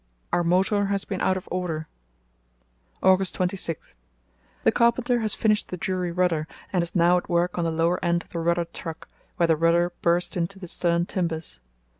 Our motor has been out of order. "August 26.—The carpenter has finished the jury rudder and is now at work on the lower end of the rudder truck, where the rudder burst into the stern timbers.